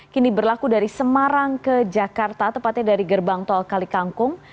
kini berlaku dari semarang ke jakarta tepatnya dari gerbang tol kalikangkung